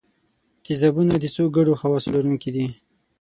تیزابونه د څو ګډو خواصو لرونکي دي.